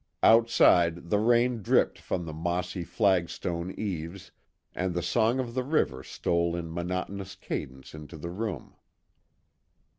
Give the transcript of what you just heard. Outside, the rain dripped from the mossy flagstone eaves, and the song of the river stole in monotonous cadence into the room.